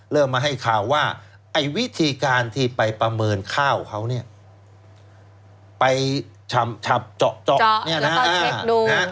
เริ่มมาให้ข่าวว่าไอ้วิธีการที่ไปประเมินข้าวเขาไปชับเจาะแล้วก็เช็คดู